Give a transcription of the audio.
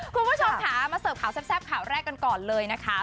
คุณผู้ชมค่ะมาเสิร์ฟข่าวแซ่บข่าวแรกกันก่อนเลยนะคะ